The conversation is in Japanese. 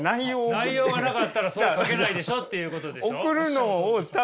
内容がなかったらそれ描けないでしょっていうことでしょ。